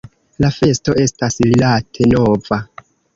La festo estas rilate nova.